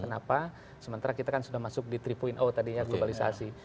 kenapa sementara kita kan sudah masuk di tiga tadinya globalisasi